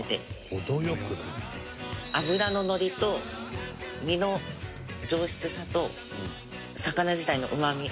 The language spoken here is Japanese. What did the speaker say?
脂ののりと身の上質さと魚自体のうまみ。